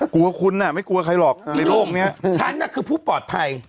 กลัวคุณน่ะไม่กลัวใครหรอกในโลกนี้ฉันน่ะคือผู้ปลอดภัย